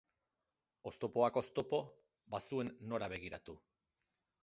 Oztopoak oztopo, bazuen nora begiratu.